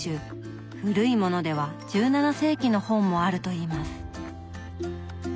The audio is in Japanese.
古いものでは１７世紀の本もあるといいます。